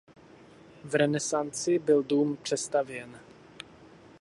V renesanci byl dům přestavěn.